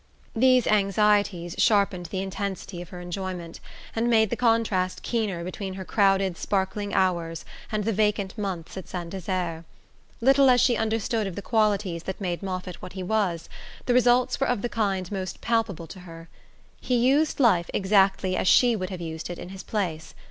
These anxieties sharpened the intensity of her enjoyment, and made the contrast keener between her crowded sparkling hours and the vacant months at Saint Desert. Little as she understood of the qualities that made Moffatt what he was, the results were of the kind most palpable to her. He used life exactly as she would have used it in his place.